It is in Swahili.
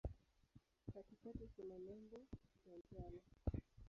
Katikati kuna nembo ya njano.